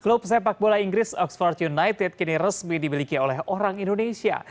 klub sepak bola inggris oxford united kini resmi dimiliki oleh orang indonesia